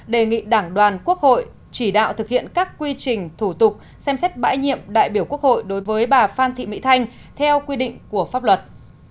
đề nghị đảng đoàn quốc hội chỉ đạo thực hiện các quy trình thủ tục xem xét bãi nhiệm đại biểu quốc hội đối với bà phan thị mỹ thanh theo quy định của pháp luật